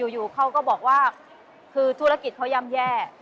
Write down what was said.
อยู่เขาก็บอกว่าคือธุรกิจเขาย่ำแย่